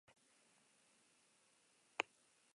Batzuk besteak baino hobeto gogoratu ditu, egia esan.